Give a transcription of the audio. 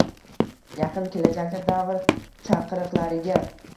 yaqin kelajakda davr chaqiriqlariga